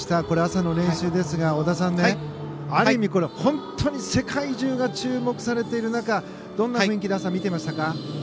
これは朝の練習ですが織田さん、本当に世界中から注目されている中どんな雰囲気で見ていましたか？